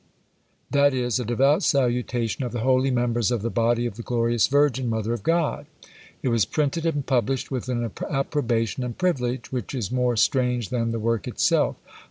That is, "A Devout Salutation of the Holy Members of the Body of the glorious Virgin, Mother of God." It was printed and published with an approbation and privilege, which is more strange than the work itself.